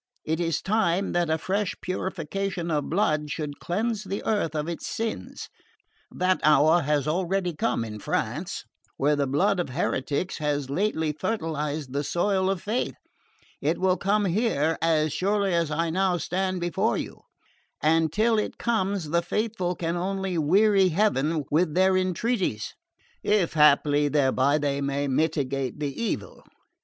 It is time that a fresh purification by blood should cleanse the earth of its sins. That hour has already come in France, where the blood of heretics has lately fertilised the soil of faith; it will come here, as surely as I now stand before you; and till it comes the faithful can only weary heaven with their entreaties, if haply thereby they may mitigate the evil.